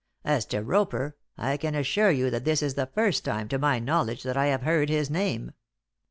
As to Roper, I can assure you that this is the first time, to my knowledge, that I have heard his name."